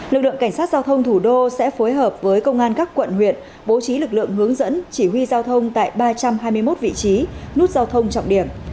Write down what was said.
lực lượng cảnh sát giao thông thủ đô sẽ phối hợp với công an các quận huyện bố trí lực lượng hướng dẫn chỉ huy giao thông tại ba trăm hai mươi một vị trí nút giao thông trọng điểm